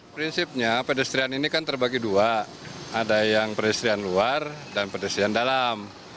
prinsipnya pedestrian ini kan terbagi dua ada yang pedestrian luar dan pedestrian dalam